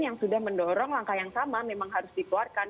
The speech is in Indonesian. yang sudah mendorong langkah yang sama memang harus dikeluarkan